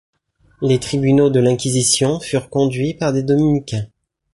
Les tribunaux de l'Inquisition furent conduits par des dominicains.